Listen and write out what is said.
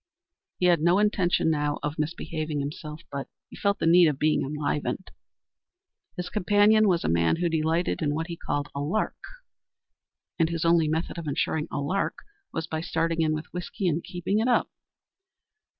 He had no intention now of misbehaving himself, but he felt the need of being enlivened. His companion was a man who delighted in what he called a lark, and whose only method of insuring a lark was by starting in with whiskey and keeping it up.